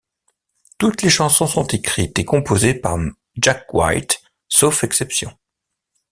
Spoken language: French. Toutes les chansons sont écrites et composées par Jack White, sauf exception.